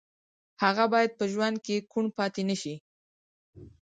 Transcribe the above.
هغه باید په ژوند کې کوڼ پاتې نه شي